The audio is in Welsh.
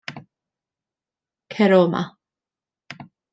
Cer o 'ma.